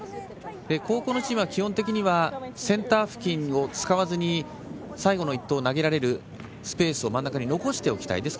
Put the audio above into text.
後攻のチームは基本的にセンター付近を使わずに最後の１投を投げられるスペースを真ん中に残しておきたい。